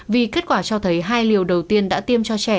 vì kết quả cho thấy hai liều đầu tiên đã tiêm cho trẻ